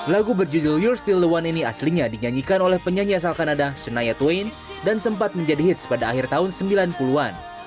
lagu berjudul yours ⁇ steel the one ini aslinya dinyanyikan oleh penyanyi asal kanada senayetwayne dan sempat menjadi hits pada akhir tahun sembilan puluh an